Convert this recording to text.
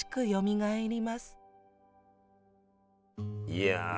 いや！